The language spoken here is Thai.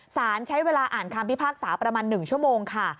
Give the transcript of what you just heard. สารใช้เวลาอ่านคำพิพากษาประมาณ๑ชั่วโมงค่ะ